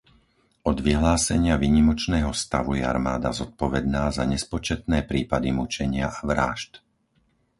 Od vyhlásenia výnimočného stavu je armáda zodpovedná za nespočetné prípady mučenia a vrážd.